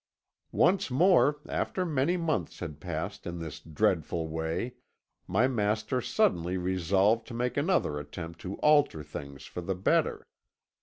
"Once more, after many months has passed in this dreadful way, my master suddenly resolved to make another attempt to alter things for the better.